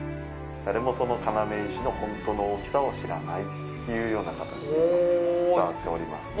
誰も要石の本当の大きさを知らないというような形で伝わっておりますね。